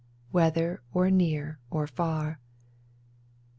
Whether or near or far